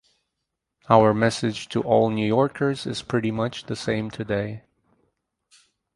Our message to all New Yorkers is pretty much the same today: